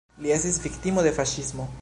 Li estis viktimo de faŝismo.